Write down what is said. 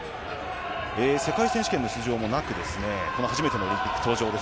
世界選手権の出場もなく初めてのオリンピック登場です